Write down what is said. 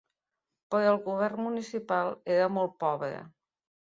Però el govern municipal era molt pobre.